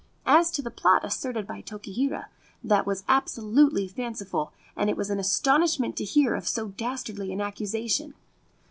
As to the plot asserted by Tokihira, that was absolutely fanciful, and it was an astonishment to hear of so dastardly an accusation.